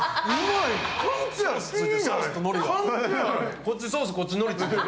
こっちソース、こっちのりついてる。